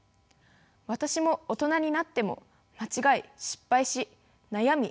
私も大人になっても間違い失敗し悩み